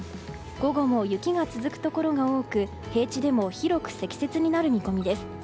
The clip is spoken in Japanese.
午後も雪が続くところが多く平地でも広く積雪になる見込みです。